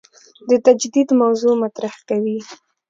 د تجدید موضوع مطرح کوي.